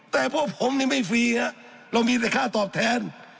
แต่พวกผมนี่ไม่ฟรีฮะเรามีแต่ค่าตอบแทน